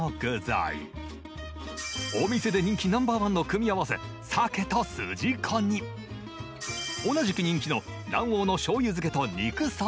お店で人気ナンバーワンの組み合わせさけとすじこに同じく人気の卵黄のしょうゆ漬けと肉そぼろ。